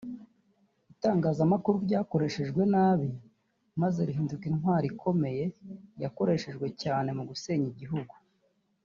Itangazamakuru ryakoreshejwe nabi maze rihinduka intwaro ikomeye yakoreshejwe cyane mu gusenya igihugu